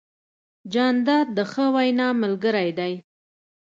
جانداد د ښه وینا ملګری دی.